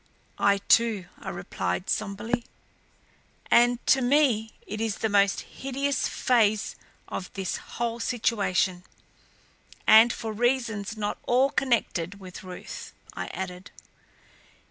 "I, too," I replied somberly. "And to me it is the most hideous phase of this whole situation and for reasons not all connected with Ruth," I added.